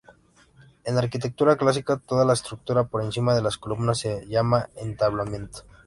En arquitectura clásica, toda la estructura por encima de las columnas se llama entablamento.